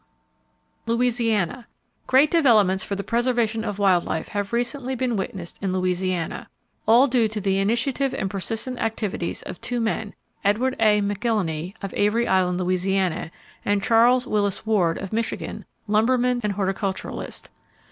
BIRD RESERVATIONS ON THE GULF COAST AND FLORIDA Louisiana: Great developments for the preservation of wild life have recently been witnessed in Louisiana, all due to the initiative and persistent activities of two men, Edward A. McIlhenny, of Avery Island, La., and Charles Willis Ward, of Michigan, lumberman and horticulturist.